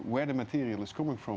karena jika tidak ada kontrol